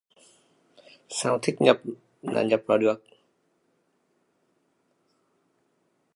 sao thích nhập là nhập vào được